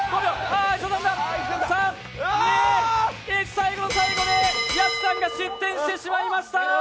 最後の最後で屋敷さんが失点してしまいました。